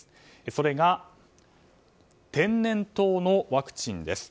それが天然痘ワクチンです。